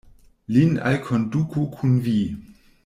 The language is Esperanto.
Lin alkonduku kun vi.